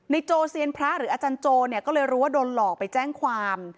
โจเซียนพระหรืออาจารย์โจเนี่ยก็เลยรู้ว่าโดนหลอกไปแจ้งความ